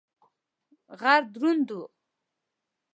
غږ دروند و.